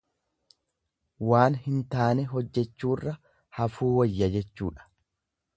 Waan hin taane hojjechuurra hafuu wayya jechuudha.